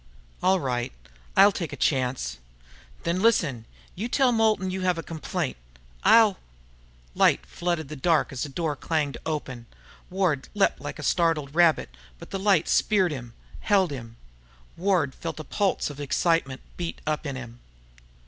"All right. I'll take a chance." "Then listen. You tell Moulton you have a complaint. I'll...." Light flooded the dark as the door clanged open. Ward leaped like a startled rabbit, but the light speared him, held him. Ward felt a pulse of excitement beat up in him.